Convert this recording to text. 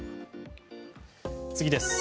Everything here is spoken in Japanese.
次です。